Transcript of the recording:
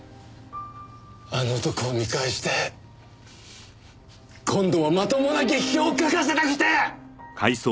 あの男を見返して今度はまともな劇評を書かせたくて！